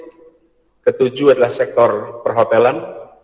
yang ketujuh adalah sektor perhotelan